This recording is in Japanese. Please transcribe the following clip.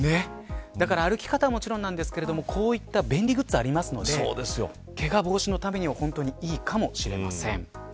歩き方はもちろんですがこういった便利グッズがありますのでけが防止のためにもいいかもしれません。